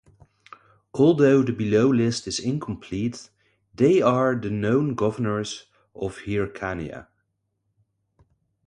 Although the below list is incomplete, they are the known governors of Hyrcania.